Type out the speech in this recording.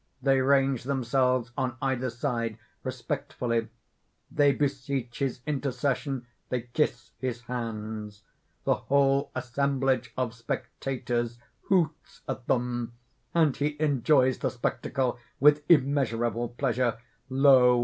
They range themselves on either side respectfully; they beseech his intercession; they kiss his hands. The whole assemblage of spectators hoots at them; and he enjoys the spectacle with immeasurable pleasure. Lo!